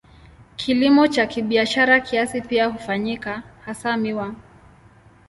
Kilimo cha kibiashara kiasi pia hufanyika, hasa miwa.